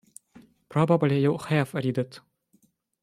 Probably you "have" read it.